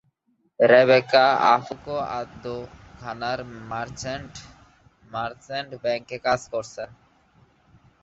Rebecca Akufo Addo ঘানার merchant ব্যাংকে কাজ করেছেন।